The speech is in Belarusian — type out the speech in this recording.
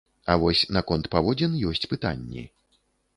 А вось наконт паводзін ёсць пытанні.